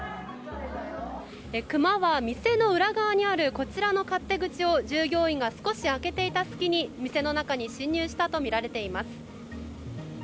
クマは店の裏側にあるこちらの勝手口を従業員が少し開けていた隙に店の中に侵入したとみられています。